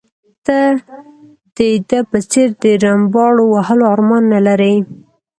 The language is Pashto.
ته د ده په څېر د رمباړو وهلو ارمان نه لرې.